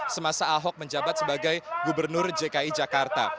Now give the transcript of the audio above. semasa ahok menjabat sebagai gubernur dki jakarta